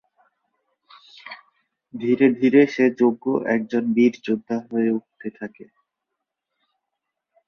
ধীরে ধীরে সে যোগ্য একজন বীর যোদ্ধা হয়ে উঠতে থাকে।